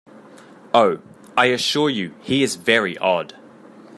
Oh, I assure you he is very odd!